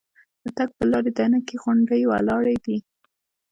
د تګ پر لارې دنګې غونډۍ ولاړې دي.